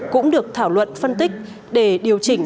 cũng được thảo luận phân tích để điều chỉnh